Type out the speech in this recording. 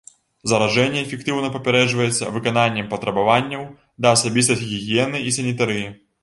Заражэнне эфектыўна папярэджваецца выкананнем патрабаванняў да асабістай гігіены і санітарыі.